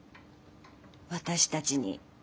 私たちに。